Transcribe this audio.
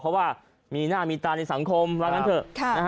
เพราะว่ามีหน้ามีตาในสังคมว่างั้นเถอะ